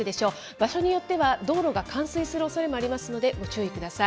場所によっては道路が冠水するおそれもありますので、ご注意ください。